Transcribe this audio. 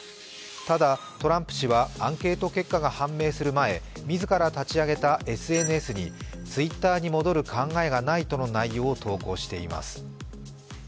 ただ、トランプ氏はアンケート結果が判明する前、自ら立ち上げたＳＮＳにＴｗｉｔｔｅｒに戻る考えがないとの内容を投稿しています。